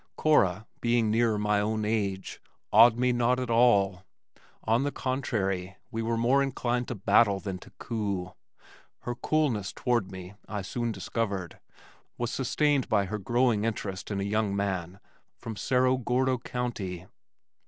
Cora, being nearer my own age, awed me not at all. On the contrary, we were more inclined to battle than to coo. Her coolness toward me, I soon discovered, was sustained by her growing interest in a young man from Cerro Gordo County.